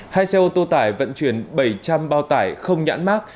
hai xe ô tô tải vận chuyển bảy trăm linh bao tải không nhãn mát